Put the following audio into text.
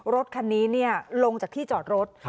รถคันนี้ลงจากที่จอดรถ